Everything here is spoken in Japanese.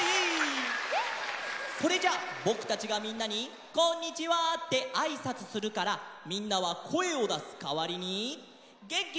それじゃあぼくたちがみんなに「こんにちは」ってあいさつするからみんなはこえをだすかわりにげんきにてをふってね！